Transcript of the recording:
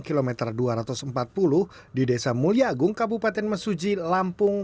kilometer dua ratus empat puluh di desa mulyagung kabupaten mesuji lampung